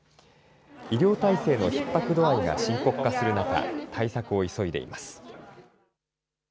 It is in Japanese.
医療体制のひっ迫度合いが深刻化する中、対策を急いでいます。